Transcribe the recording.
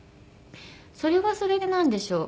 それはそれでなんでしょう？